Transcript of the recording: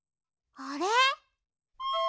あれ？